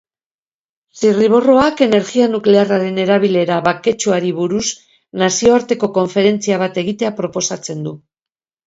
Zirriborroak energia nuklearraren erabilera baketsuari buruz nazioarteko konferentzia bat egitea proposatzen du.